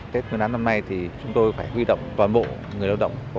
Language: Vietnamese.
tết nguyên đán năm nay thì chúng tôi phải huy động toàn bộ người lao động